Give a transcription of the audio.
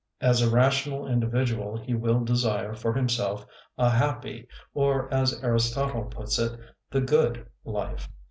As a ra tional individual he will desire for himself a happy, or as Aristotle puts it, the "good" life.